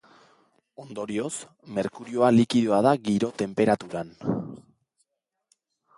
Ondorioz, merkurioa likidoa da giro-tenperaturan.